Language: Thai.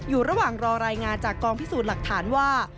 อยู่ระหว่างรอรายงานจากกองพิสูจน์หลักฐานว่า